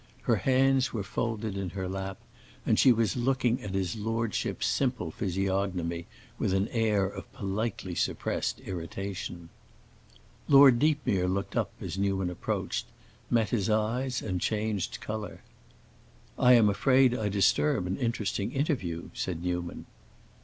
Her hands were folded in her lap, and she was looking at his lordship's simple physiognomy with an air of politely suppressed irritation. Lord Deepmere looked up as Newman approached, met his eyes, and changed color. "I am afraid I disturb an interesting interview," said Newman.